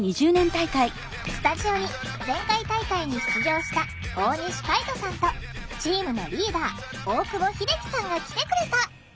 スタジオに前回大会に出場した大西海人さんとチームのリーダー大久保秀生さんが来てくれた。